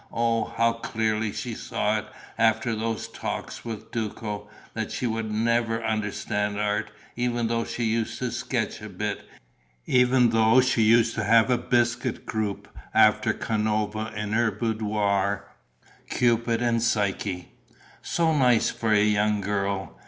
Oh, how clearly she saw it, after those talks with Duco, that she would never understand art, even though she used to sketch a bit, even though she used to have a biscuit group after Canova in her boudoir, Cupid and Psyche: so nice for a young girl!